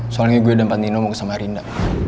soalnya gue dan pandino mau ke samarinda